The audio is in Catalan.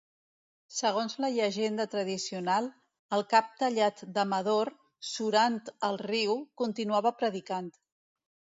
Segons la llegenda tradicional, el cap tallat d'Amador, surant al riu, continuava predicant.